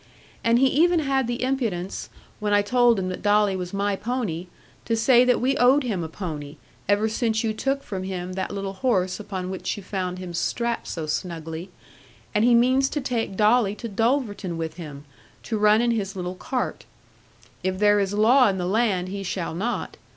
And he even had the impudence, when I told him that Dolly was my pony, to say that we owed him a pony, ever since you took from him that little horse upon which you found him strapped so snugly; and he means to take Dolly to Dulverton with him, to run in his little cart. If there is law in the land he shall not.